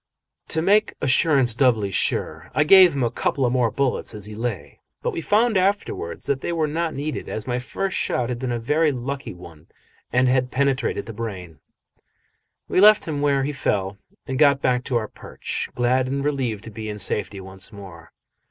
To make assurance doubly sure, I gave him a couple more bullets as he lay, but we found afterwards that they were not needed, as my first shot had been a very lucky one and had penetrated the brain. We left him where he fell and got back to our perch, glad and relieved to be in safety once more.